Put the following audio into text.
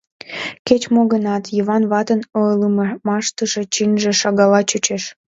Кеч-мо гынат, Йыван ватын ойлымаштыже чынже шагалла чучеш.